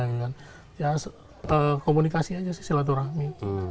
ya komunikasi aja sih silaturahmi